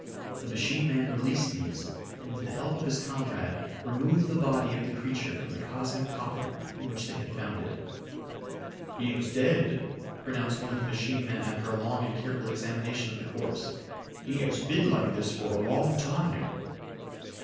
The machine man released these, and with the help of his comrade removed the body of the creature from the cosmic coffin in which they had found it. "He is dead!" pronounced one of the machine men after a long and careful examination of the corpse. "He has been like this for a long time."